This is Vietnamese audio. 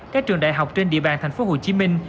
các trường đại học trên địa bàn tp hcm